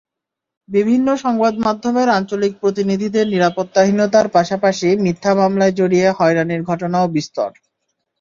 বিভিন্ন সংবাদমাধ্যমের আঞ্চলিক প্রতিনিধিদের নিরাপত্তাহীনতার পাশাপাশি মিথ্যা মামলায় জড়িয়ে হয়রানির ঘটনাও বিস্তর।